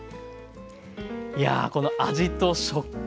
いやこの味と食感